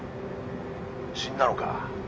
死んだのか？